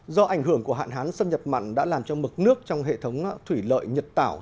do ảnh hưởng của hạn hán xâm nhập mặn đã làm cho mực nước trong hệ thống thủy lợi nhật tảo